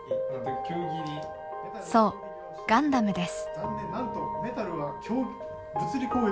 そう「ガンダム」です。